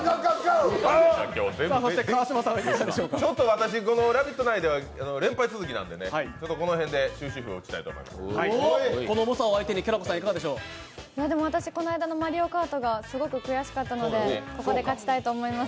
私、「ラヴィット！」内では連敗続きなんでね、この辺で終止符を打ちたいと思います。